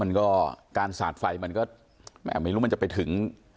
มันก็การสาดไฟมันก็ไม่รู้มันจะไปถึง